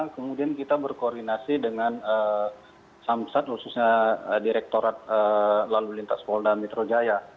kemudian kita berkoordinasi dengan samsat khususnya direktorat lalu lintas polda metro jaya